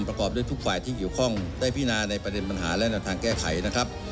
ประกอบด้วยทุกฝ่ายที่เกี่ยวข้องได้พินาในประเด็นปัญหาและแนวทางแก้ไขนะครับ